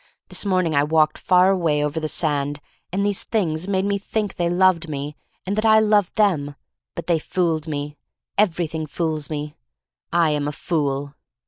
This morning I walked far away over the sand, and these things made me think they loved me — and that I loved them. But they fooled me. Everything fools me. I am a fool.